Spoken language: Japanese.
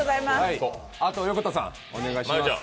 あと横田さん、お願いします。